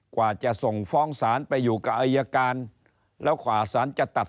กว่าจะส่งฟ้องศาลไปอยู่กับ